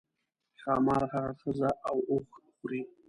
ښامار هغه ښځه او اوښ خوري.